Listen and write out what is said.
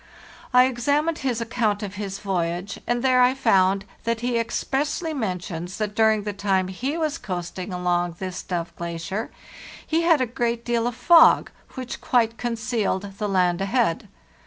I examined his account of his voyage, and there I found that he expressly mentions that during the time he was coasting along this Dove Glacier he had a great deal of fog, which quite concealed the land ahead.